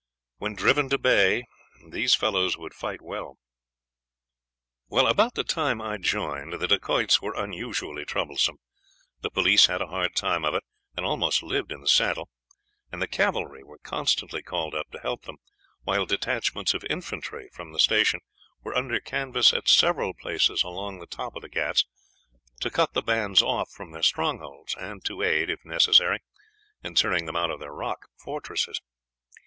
When driven to bay, these fellows would fight well. "Well, about the time I joined, the Dacoits were unusually troublesome; the police had a hard time of it, and almost lived in the saddle, and the cavalry were constantly called up to help them, while detachments of infantry from the station were under canvas at several places along the top of the Ghauts to cut the bands off from their strongholds, and to aid, if necessary, in turning them out of their rock fortresses.